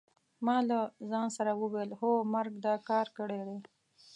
ما له ځان سره وویل: هو مرګ دا کار کړی دی.